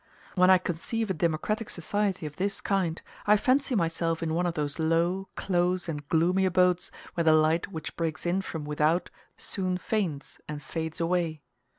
When I conceive a democratic society of this kind, I fancy myself in one of those low, close, and gloomy abodes, where the light which breaks in from without soon faints and fades away.